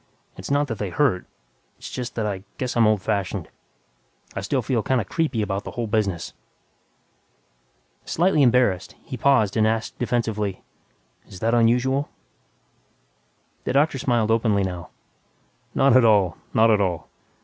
It's not that they hurt ... it's just that I guess I'm old fashioned. I still feel kinda 'creepy' about the whole business." Slightly embarrassed, he paused and asked defensively, "Is that unusual?" The doctor smiled openly now, "Not at all, not at all.